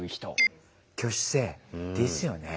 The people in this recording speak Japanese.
挙手制。ですよね。